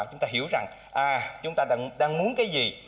chúng ta hiểu rằng chúng ta đang muốn cái gì